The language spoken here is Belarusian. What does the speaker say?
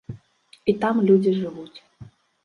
І там людзі жывуць.